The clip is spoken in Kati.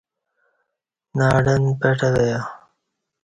ناڈن پٹہ ویا